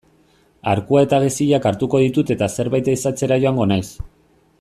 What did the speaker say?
Arkua eta geziak hartuko ditut eta zerbait ehizatzera joango naiz.